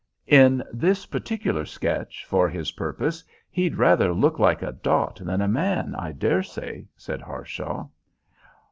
"In this particular sketch, for his purpose, he'd rather look like a dot than a man, I dare say," said Harshaw.